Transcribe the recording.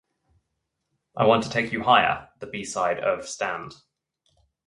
"I Want to Take You Higher", the b-side of "Stand!